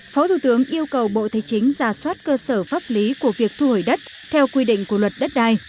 phó thủ tướng yêu cầu bộ thế chính ra soát cơ sở pháp lý của việc thu hồi đất theo quy định của luật đất đai